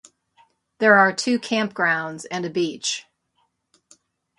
There are two campgrounds and a beach.